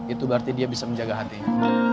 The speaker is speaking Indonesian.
itu berarti dia bisa menjaga hatinya